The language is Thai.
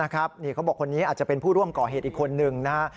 เขาบอกคนนี้อาจจะเป็นผู้ร่วมก่อเหตุอีกคนนึงนะครับ